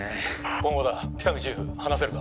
駒場だ喜多見チーフ話せるか？